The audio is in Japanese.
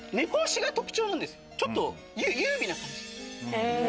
ちょっと優美な感じ。